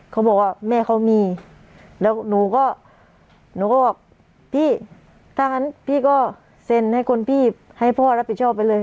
เขาบอกว่าแม่เขามีแล้วหนูก็บอกพี่ถ้าอย่างนั้นพี่ก็เซ็นให้พ่อรับผิดชอบไปเลย